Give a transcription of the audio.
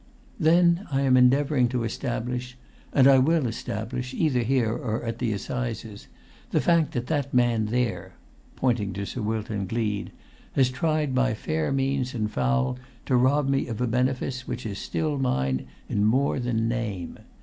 "Then I am endeavouring to establish—and I will establish, either here or at the assizes—the fact that that man there"—pointing to Sir Wilton Gleed—"has tried by fair means and by foul to rob me of a benefice which is still mine in more than name.